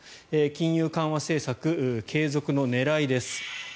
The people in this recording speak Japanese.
金融緩和政策継続の狙いです。